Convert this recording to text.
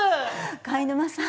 貝沼さん。